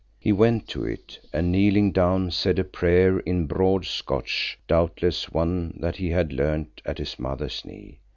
He went to it and kneeling down, said a prayer in broad Scotch, doubtless one that he had learned at his mother's knee.